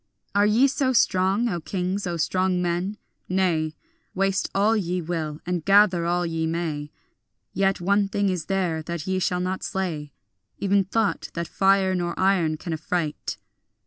Are ye so strong, O kings, O strong men? Nay, Waste all ye will and gather all ye may, Yet one thing is there that ye shall not slay, Even thought, that fire nor iron can affright.